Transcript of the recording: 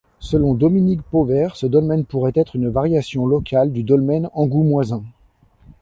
Selon Dominique Pauvert, ce dolmen pourrait être une variation locale du dolmen angoumoisin.